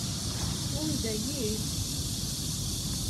Tɣunza-yi?